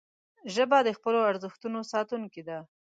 ژبه د خپلو ارزښتونو ساتونکې ده